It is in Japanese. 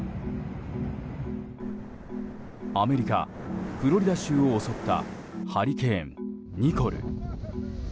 アメリカ・フロリダ州を襲ったハリケーン、ニコル。